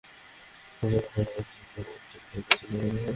গতকাল রোববার রাতে অসুস্থ হয়ে পড়ায় তাঁকে চিকিৎসকের কাছে নেওয়া হয়।